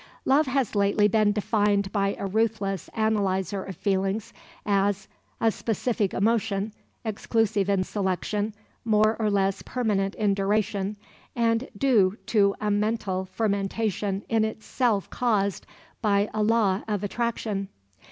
Love has lately been defined by a ruthless analyzer of feelings as "a specific emotion, exclusive in selection, more or less permanent in duration, and due to a mental fermentation in itself caused by a law of attraction."